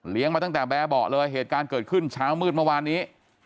มาตั้งแต่แบบเบาะเลยเหตุการณ์เกิดขึ้นเช้ามืดเมื่อวานนี้